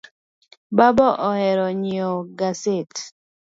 Baba ohero nyieo gaset